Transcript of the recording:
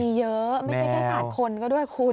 มีเยอะไม่ใช่แค่ศาสตร์คนก็ด้วยคุณ